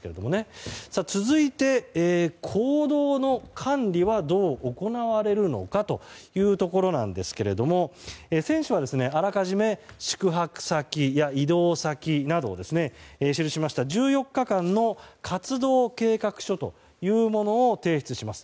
続いて、行動の管理はどう行われるのかというところですが選手はあらかじめ宿泊先や移動先などを記しました１４日間の活動計画書というものを提出します。